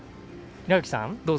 稲垣さん